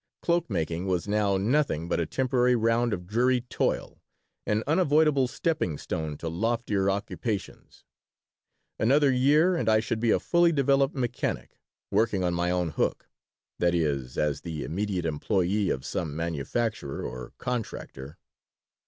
Cloak making was now nothing but a temporary round of dreary toil, an unavoidable stepping stone to loftier occupations Another year and I should be a fully developed mechanic, working on my own hook that is, as the immediate employee of some manufacturer or contractor.